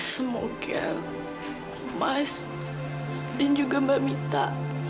semoga mas dan juga mbak mita